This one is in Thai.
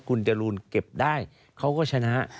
คุณจรูนเก็บได้เขาก็ชนะ